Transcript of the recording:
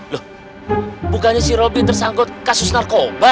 loh bukannya si roby tersangkut kasus narkoba